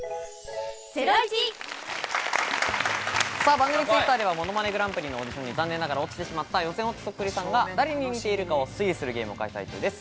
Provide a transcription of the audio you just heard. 番組公式Ｔｗｉｔｔｅｒでは『ものまねグランプリ』のオーディションに残念ながら落ちてしまった予選落ちそっくりさんが誰に似ているかを推理するゲームを開催中です。